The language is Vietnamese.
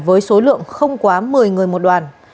với số lượng không quá một mươi người một đoàn